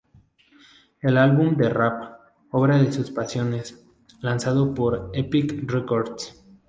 Un álbum de rap, otra de sus pasiones, lanzado por Epic Records.